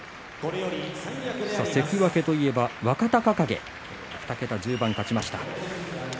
関脇といえば若隆景が２桁１０番勝ちました。